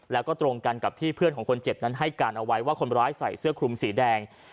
แล้วก็ตรงกันกับที่เพื่อนของคนเจ็บนั้นให้การเอาไว้ว่าคนร้ายใส่เสื้อคลุมสีแดง